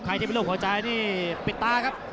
ใครที่ไม่รู้ขอใจนี่ปิดตาครับ